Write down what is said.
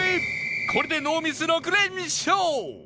これでノーミス６連勝！